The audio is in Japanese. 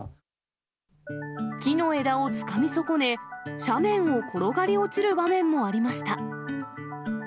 木の枝をつかみ損ね、斜面を転がり落ちる場面もありました。